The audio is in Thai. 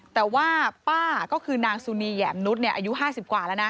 แต่ว่าป้าก็คือนางสุนีแหมมนุษย์อายุ๕๐กว่าแล้วนะ